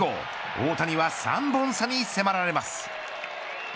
大谷は３本差に迫られます。